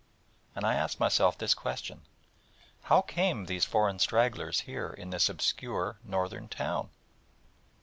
And I asked myself this question: 'How came these foreign stragglers here in this obscure northern town?'